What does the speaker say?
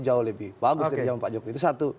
jauh lebih bagus dari zaman pak jokowi itu satu